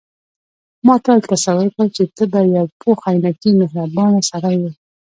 ما تل تصور کاوه چې ته به یو پوخ عینکي مهربانه سړی یې.